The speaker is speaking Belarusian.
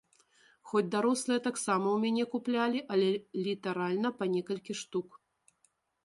Хоць дарослыя таксама ў мяне куплялі, але літаральна па некалькі штук.